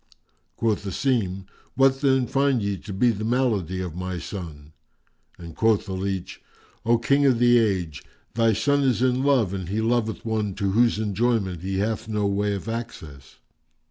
Quoth Asim, "What then find ye to be the malady of my son?"; and quoth the leach, "O King of the Age, thy son is in love and he loveth one to whose enjoyment he hath no way of access."